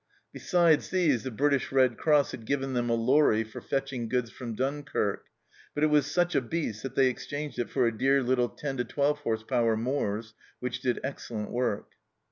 Besides these, the British Red Cross had given them a lorry for fetching goods from Dunkirk, but it was " such a beast " that they exchanged it for a " dear little 10 12 h.p. Mors," which did excellent work.